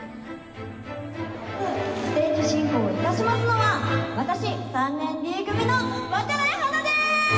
ステージ進行いたしますのは私３年Ｄ組の渡会華です！